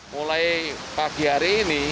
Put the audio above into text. mulai pagi hari ini